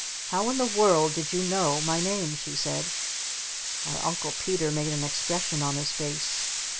"How in the world did you know my name?" she said. Our Uncle Peter made an expression on his face.